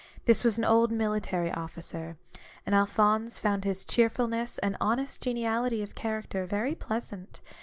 This was an old military officer : and Alphonse found his ORIGINAL SIN. 123 cheerfulness and honest geniality of character very pleasant.